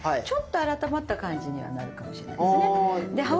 ちょっと改まった感じにはなるかもしれないですね。